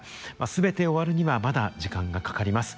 全て終わるにはまだ時間がかかります。